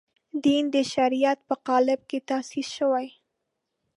دین د شریعت په قالب کې تاسیس شوی.